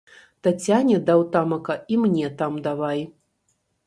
Таццяне даў тамака і мне там давай!